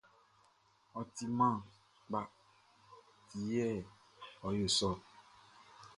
Ɔ timan kpa ti yɛ ɔ yo sɔ ɔ.